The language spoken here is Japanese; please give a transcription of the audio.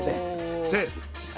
セーフ！